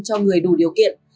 cho người đủ điều kiện